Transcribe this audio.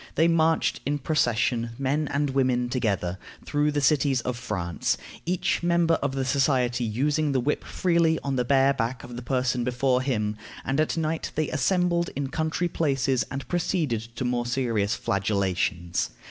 They marched in procession, men and women together, through the cities of France, each member of the society using the whip freely on the bare back of the person before him; and at night they assembled in country places, and proceeded to more serious flagellations.